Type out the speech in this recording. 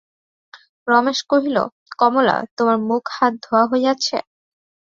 রমেশ কহিল, কমলা, তোমার মুখ-হাত ধোওয়া হইয়াছে?